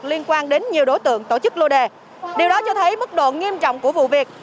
liên quan đến nhiều đối tượng tổ chức lô đề điều đó cho thấy mức độ nghiêm trọng của vụ việc